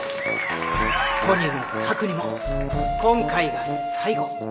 とにもかくにも今回が最後。